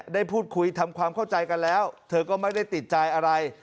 ได้พูดคุยทำความเข้าใจกันแล้วเธอก็ไม่ได้ติดใจอะไร